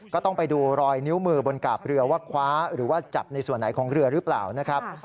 ก็ต้องไปดูรอยนิ้วมือบนกาบเรือว่าคว้าหรือว่าจับในส่วนไหนของเรือหรือเปล่านะครับ